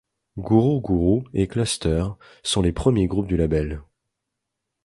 Guru Guru et Cluster sont les premiers groupes du label.